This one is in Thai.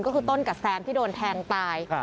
ก็คือต้นกับแซมที่โดนแทงตาย